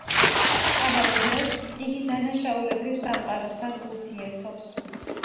ამავე დროს, იგი დანაშაულებრივ სამყაროსთან ურთიერთობს.